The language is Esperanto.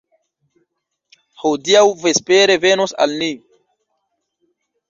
hodiaŭ vespere venos al ni.